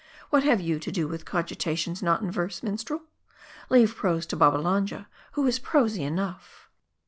" What have you to do with cogitations not in verse, minstrel ? Leave prose to Babbalanja, who is prosy enough."